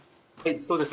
そうです。